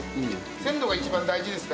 鮮度が一番大事ですから。